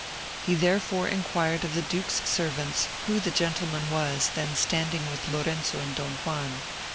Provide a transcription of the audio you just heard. He therefore inquired of the duke's servants who the gentleman was, then standing with Lorenzo and Don Juan.